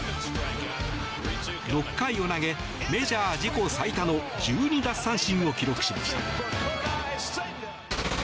６回を投げ、メジャー自己最多の１２奪三振を記録しました。